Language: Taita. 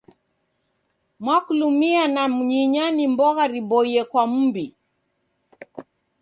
Maklumia na mnyunya ni mbogha riboie kwa m'mbi.